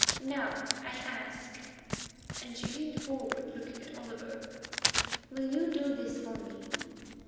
Now I ask," and she leaned forward, looking at Oliver, "will you do this for me?"